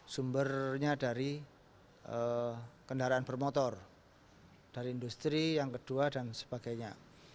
sumbernya dari kendaraan bermotor dari industri yang kedua dan sebagainya